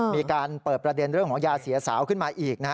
มีการเปิดประเด็นเรื่องของยาเสียสาวขึ้นมาอีก